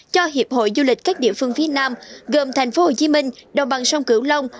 cho hiệp hội du lịch các địa phương phía nam gồm thành phố hồ chí minh đồng bằng sông cửu long